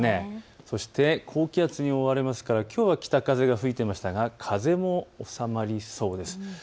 そして高気圧に覆われますからきょうは北風が吹いていましたが風も収まりそうです。